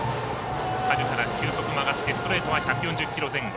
春から球速も上がってストレートは１４０キロ前後。